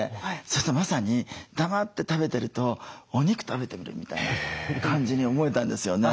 そしたらまさに黙って食べてるとお肉食べてるみたいな感じに思えたんですよね。